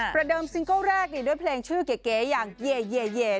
ประเดิมซิงคลแรกด้วยเพลงชื่อเก๋อย่างเย่เย่เย่